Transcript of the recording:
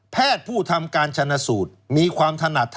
ผู้ทำการชนะสูตรมีความถนัด